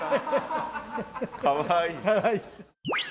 かわいい。